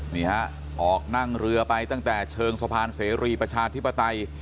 นี่ฮะออกนั่งเรือไปตั้งแต่เชิงสะพานเสรีประชาธิปไตย